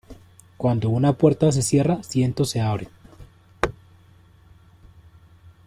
Cuando una puerta se cierra, ciento se abren.